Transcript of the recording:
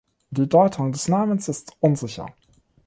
Die Deutung des Namens ist unsicher.